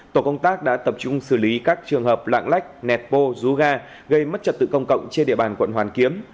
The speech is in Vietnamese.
tổ công tác đã tập trung xử lý các trường hợp lạng lách nẹt bô rú ga gây mất trật tự công cộng trên địa bàn quận hoàn kiếm